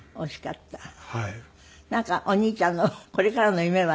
なんかお兄ちゃんのこれからの夢はありますか？